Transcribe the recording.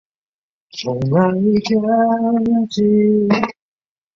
此演示实验中镜子起到调整日光出射水面角度的作用。